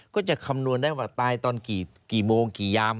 ก็จะคำนวณได้ว่าตายตอนกี่โมงกี่ยาม